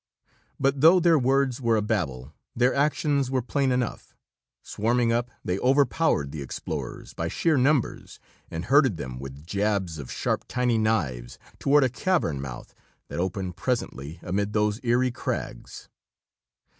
But though their words were a babel, their actions were plain enough. Swarming up, they overpowered the explorers by sheer numbers, and herded them with jabs of sharp, tiny knives toward a cavern mouth that opened presently amid those eery crags.